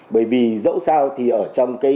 bởi vì dẫu sao thì ở trong cái